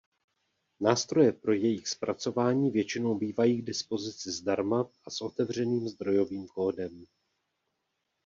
Nástroje pro jejich zpracování většinou bývají k dispozici zdarma a s otevřeným zdrojovým kódem.